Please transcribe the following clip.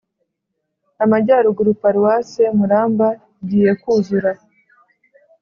amajyaruguru : paroisse muramba igiyekuzura